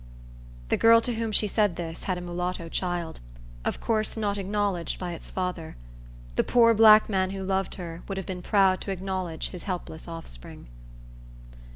The girl to whom she said this had a mulatto child, of course not acknowledged by its father. The poor black man who loved her would have been proud to acknowledge his helpless offspring.